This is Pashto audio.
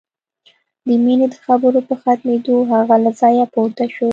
د مينې د خبرو په ختمېدو هغه له ځايه پورته شو.